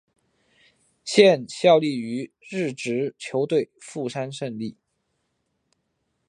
现效力于日职球队富山胜利。